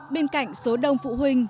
bên cạnh số đông phụ huynh